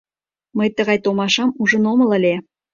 Мый тыгай томашам ужын омыл ыле...